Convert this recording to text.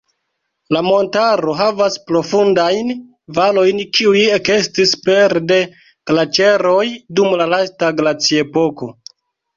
La montaro havas profundajn valojn, kiuj ekestis pere de glaĉeroj dum la lasta glaciepoko.